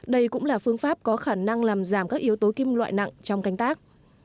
đây cũng là phương pháp có khả năng làm giảm các yếu tố kim loại nặng trong canh tác